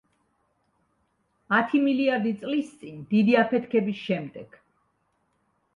ათი მილიარდი წლის წინ, დიდი აფეთქების შემდეგ.